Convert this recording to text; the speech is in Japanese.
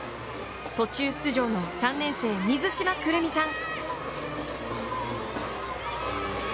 途中出場の３年生、水島来望さん。